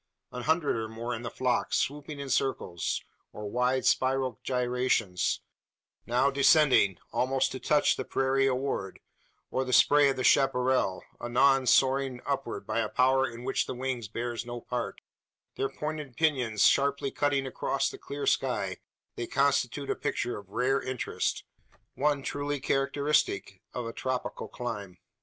An hundred or more in the flock, swooping in circles, or wide spiral gyrations now descending almost to touch the prairie award, or the spray of the chapparal anon soaring upward by a power in which the wing bears no part their pointed pinions sharply cutting against the clear sky they constitute a picture of rare interest, one truly characteristic of a tropical clime.